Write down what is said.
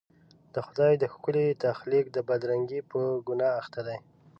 د خدای د ښکلي تخلیق د بدرنګۍ په ګناه اخته دي.